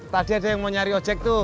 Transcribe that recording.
tadi ada yang mau nyari ojek tuh